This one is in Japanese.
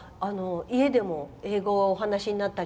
家でも英語をお話になったり。